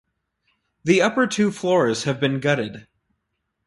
The upper two floors have been gutted.